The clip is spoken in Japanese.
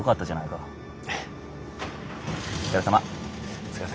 お疲れさま。